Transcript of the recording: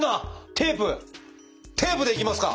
テープでいきますか？